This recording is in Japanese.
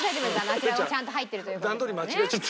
あちらはちゃんと入ってるという事ですからね。